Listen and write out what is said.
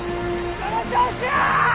その調子や！